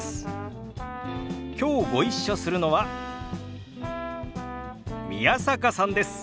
きょうご一緒するのは宮坂さんです。